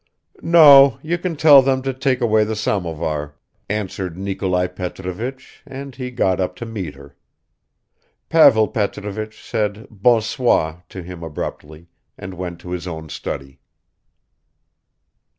"No, you can tell them to take away the samovar," answered Nikolai Petrovich, and he got up to meet her. Pavel Petrovich said "bonsoir" to him abruptly, and went to his own study.